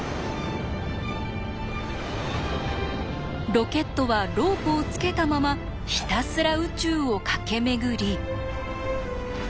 ロケットはロープをつけたままひたすら宇宙を駆け巡り。